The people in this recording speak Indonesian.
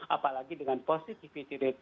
apalagi dengan positivity rate